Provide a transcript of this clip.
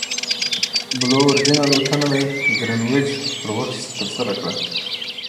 بلو اوریجن الوتنه د ګرینویچ پر وخت ترسره کړه.